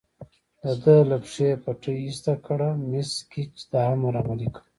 د ده له پښې پټۍ ایسته کړه، مس ګېج دا امر عملي کړ.